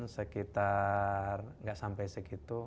sekitar tidak sampai segitu